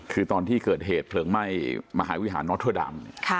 คือตอนที่เกิดเหตุเผลิงไหม้มหาวิทยาลัยนออร์ทเทอร์ดัม